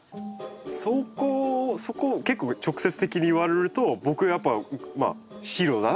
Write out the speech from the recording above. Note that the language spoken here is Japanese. そこそこ結構直接的に言われると僕やっぱまあ白だなって答えですね。